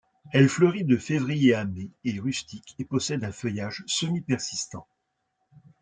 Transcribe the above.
Elle fleurit de février à mai, est rustique et possède un feuillage semi-persistant.